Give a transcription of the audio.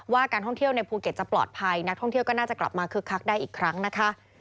การท่องเที่ยวในภูเก็ตจะปลอดภัยนักท่องเที่ยวก็น่าจะกลับมาคึกคักได้อีกครั้งนะคะ